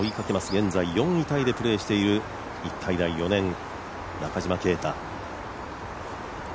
現在、４位タイでプレーしている日体大４年・中島啓太。